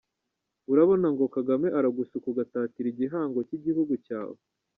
Urabona ngo Kagame aragushuka ugatatira igihango cy igihugu cyawe!!!